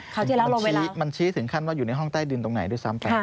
เขาที่เล่าลงไปแล้วมันชี้ถึงขั้นว่าอยู่ในห้องใต้ดินตรงไหนด้วยซ้ำแปลก